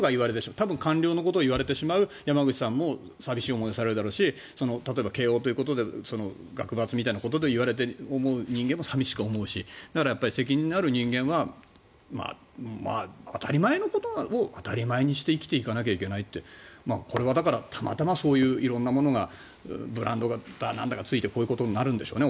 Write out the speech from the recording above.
多分官僚のことを言われてしまう山口さんも寂しい思いをされるだろうし例えば慶応ということで学閥みたいなことで言われて思う人間も寂しく思うしだから、責任のある人間は当たり前のことを当たり前にして生きていかないといけないってこれはたまたま色んなものがブランドとかがついてこういうことになるんでしょうね